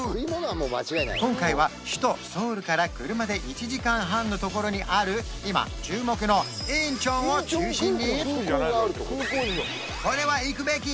今回は首都ソウルから車で１時間半のところにある今注目の仁川を中心にこれは行くべき！